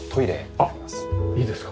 あっいいですか？